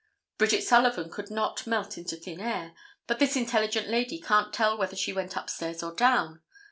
Bridget Sullivan could not melt into thin air, but this intelligent lady can't tell whether she went upstairs or down.